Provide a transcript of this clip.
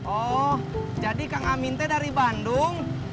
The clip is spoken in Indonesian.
oh jadi kang aminte dari bandung